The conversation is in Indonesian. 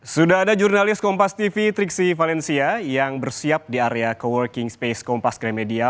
sudah ada jurnalis kompas tv triksi valencia yang bersiap di area co working space kompas gramedia